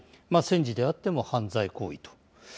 戦時であっても犯罪行為と。